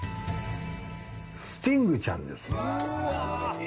スティングちゃんです。